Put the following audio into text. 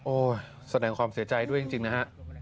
แสดงความเสียใจด้วยจริงนะฮะ